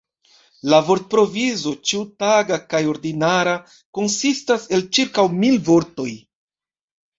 La vortprovizo, ĉiutaga kaj ordinara, konsistas el ĉirkaŭ mil vortoj.